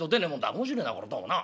面白えなこれどうもな。